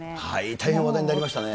大変話題になりましたね。